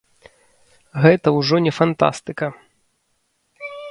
Гэта ўжо не фантастыка.